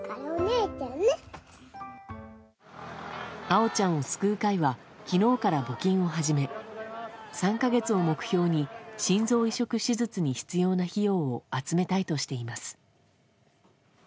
あおちゃんを救う会は昨日から募金を始め３か月を目標に心臓移植手術に必要な費用を集めたいとしています。